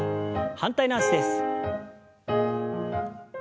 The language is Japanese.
反対の脚です。